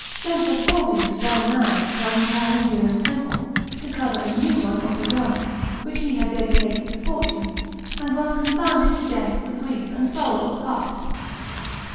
Censor Fulvius ran mad for untiling Juno's temple, to cover a new one of his own, which he had dedicated to Fortune, and was confounded to death with grief and sorrow of heart.